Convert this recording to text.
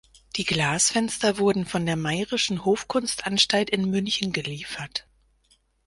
Die Glasfenster wurden von der Mayer’schen Hofkunstanstalt in München geliefert.